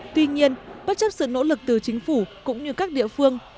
tuy nhiên bất chấp sự nỗ lực từ chính phủ cũng như các địa phương